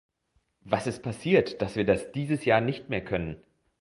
Was ist passiert, dass wir das dieses Jahr nicht mehr können?